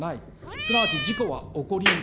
すなわち事故は起こりうる。